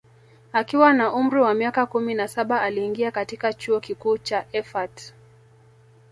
Akiwa na umri wa miaka kumi na saba aliingia katika Chuo Kikuu cha Erfurt